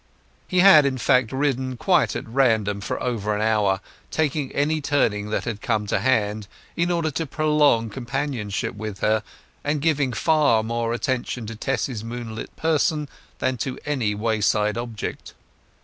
He had, in fact, ridden quite at random for over an hour, taking any turning that came to hand in order to prolong companionship with her, and giving far more attention to Tess's moonlit person than to any wayside object.